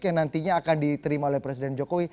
yang nantinya akan diterima oleh presiden jokowi